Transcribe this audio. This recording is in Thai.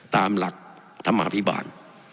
ตามหลักธรรมาภิบาล